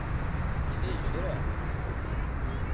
Yella yejreḥ.